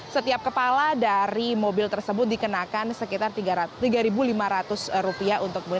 setiap kepala dari mobil tersebut dikenakan sekitar tiga lima ratus